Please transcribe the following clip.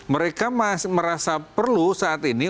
mereka merasa perlu saat ini